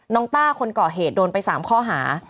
ต้าคนก่อเหตุโดนไป๓ข้อหา